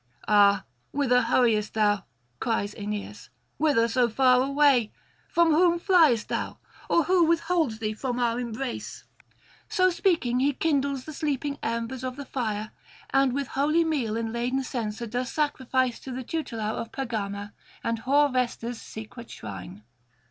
'Ah, whither hurriest thou?' cries Aeneas; 'whither so fast away? From whom fliest thou? or who withholds thee from our embrace?' So speaking, he kindles the sleeping embers of the fire, and with holy meal and laden censer does sacrifice to the tutelar of Pergama and hoar Vesta's secret shrine.